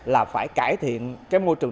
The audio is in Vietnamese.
là phải cải thiện cái môi trường